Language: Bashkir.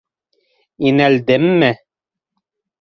Инәлдемме?